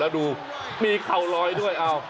แล้วดูมีเข่ารอยด้วย